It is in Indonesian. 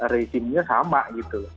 resimenya sama gitu